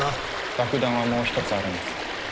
爆弾はもう一つあるんです。